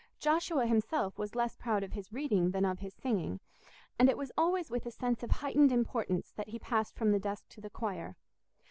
Joshua himself was less proud of his reading than of his singing, and it was always with a sense of heightened importance that he passed from the desk to the choir.